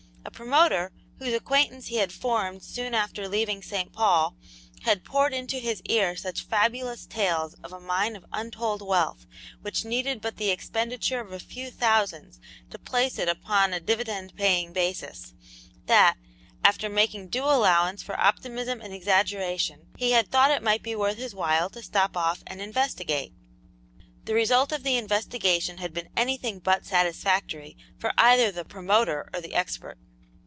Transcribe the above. A promoter, whose acquaintance he had formed soon after leaving St. Paul, had poured into his ear such fabulous tales of a mine of untold wealth which needed but the expenditure of a few thousands to place it upon a dividend paying basis, that, after making due allowance for optimism and exaggeration, he had thought it might be worth his while to stop off and investigate. The result of the investigation had been anything but satisfactory for either the promoter or the expert.